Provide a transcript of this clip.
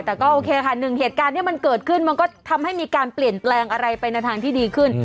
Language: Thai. แต่ก็โอเคค่ะหนึ่งเหตุการณ์ที่มันเกิดขึ้นมันก็ทำให้มีการเปลี่ยนแปลงอะไรไปในทางที่ดีขึ้น